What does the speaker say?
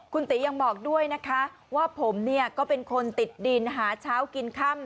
คุณตียังบอกด้วยนะคะว่าผมเนี่ยก็เป็นคนติดดินหาเช้ากินค่ำ